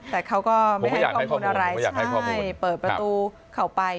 แต่เขาก็ไม่ให้ข้อมูลอะไรให้เปิดประตูเข้าไป